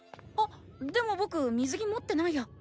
あでも僕水着持ってないや。